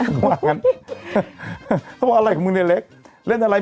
ลงมาเขาว่าอะไรของมึงนี่หนักเล่นอะไร